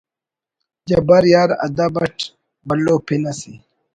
جبار یار ادب اٹ بھلو پن اسے